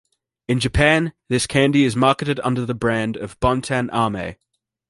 In Japan this candy is marketed under the brand of "Bontan ame".